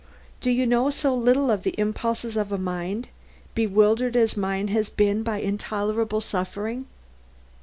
Do you know so little of the impulses of a mind, bewildered as mine has been by intolerable suffering?"